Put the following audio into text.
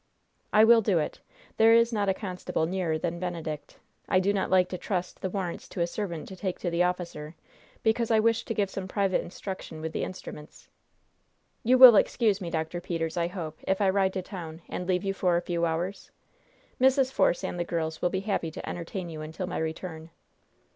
"I will do it. There is not a constable nearer than Benedict. I do not like to trust the warrants to a servant to take to the officer, because I wish to give some private instruction with the instruments. You will excuse me, Dr. Peters, I hope, if I ride to town and leave you for a few hours? Mrs. Force and the girls will be happy to entertain you until my return."